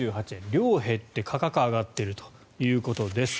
量は減って、価格は上がっているということです。